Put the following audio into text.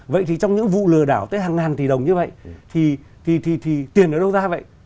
vậy thì trong những vụ lừa đảo tới hàng ngàn tỷ đồng như vậy thì tiền ở đâu ra vậy